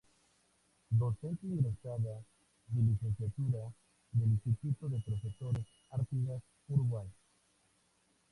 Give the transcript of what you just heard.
Docente egresada de Literatura del Instituto de Profesores Artigas, Uruguay.